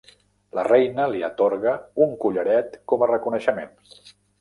La reina li atorga un collaret com a reconeixement.